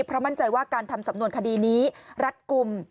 เพราะมั่นใจว่าการทำสำนวนคดีนี้รัดกลุ่ม